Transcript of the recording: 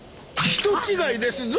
人違いですぞ。